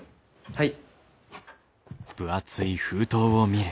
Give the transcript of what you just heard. はい。